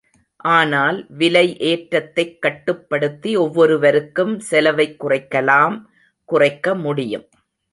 ஆனால், விலை ஏற்றத்தைக் கட்டுப்படுத்தி ஒவ்வொருவருக்கும் செலவைக் குறைக்கலாம், குறைக்க முடியும்.